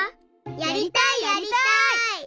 やりたいやりたい！